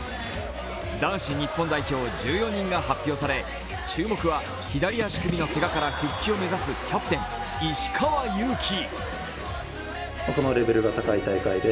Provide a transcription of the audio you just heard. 男子日本代表１４人が発表され注目は左足首のけがから復帰を目指すキャプテン・石川祐希。